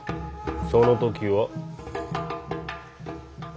その時は。